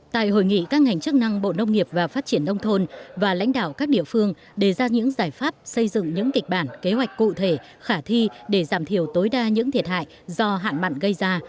tại hội nghị các ngành chức năng bộ nông nghiệp và phát triển nông thôn và lãnh đạo các địa phương đề ra những giải pháp xây dựng những kịch bản kế hoạch cụ thể khả thi để giảm thiểu tối đa những thiệt hại do hạn mặn gây ra